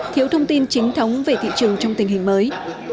thiếu thông tin chính thống về thị trường trong tình hình mới